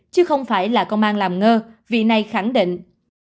chứ không phải là công an làm ngơ vì này khẳng định